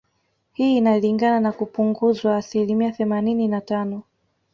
Hii inalingana na kupunguzwa asilimia themanini na tano